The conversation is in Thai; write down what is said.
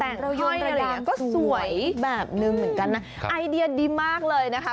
ตกแต่งห้อยก็สวยแบบนึงเหมือนกันนะไอเดียดีมากเลยนะคะ